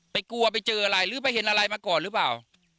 กลัวไปเจออะไรหรือไปเห็นอะไรมาก่อนหรือเปล่า